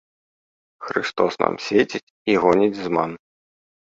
Хрыстос нам свеціць і гоніць зман.